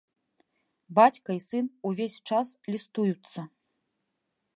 Бацька і сын увесь час лістуюцца.